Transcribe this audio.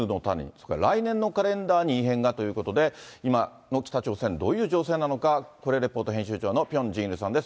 それから来年のカレンダーに異変がということで、今の北朝鮮、どういう情勢なのか、コリア・レポート編集長のピョン・ジンイルさんです。